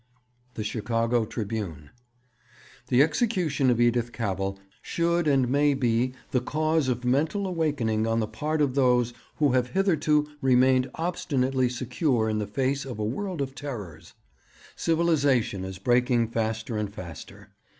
The Chicago Tribune. 'The execution of Edith Cavell should and may be the cause of mental awakening on the part of those who have hitherto remained obstinately secure in the face of a world of terrors.... Civilization is breaking faster and faster.